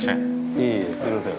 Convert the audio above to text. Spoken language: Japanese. いえいえすいません。